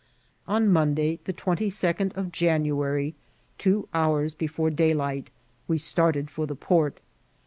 On Monday, the twenty second of January, two hours before daylight, we started for the port.